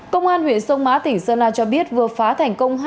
công an huyện sông mã tỉnh sơn la cho biết vừa phá thành công